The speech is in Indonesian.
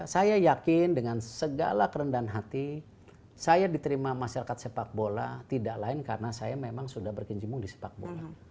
saya yakin dengan segala kerendahan hati saya diterima masyarakat sepak bola tidak lain karena saya memang sudah berkinjimung di sepak bola